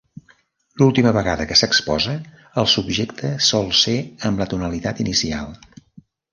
L'última vegada que s'exposa el subjecte sol ser amb la tonalitat inicial.